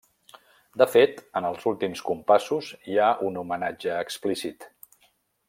De fet, en els últims compassos hi ha un homenatge explícit.